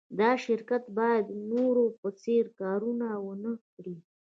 دا شرکت باید د نورو په څېر کارونه و نهکړي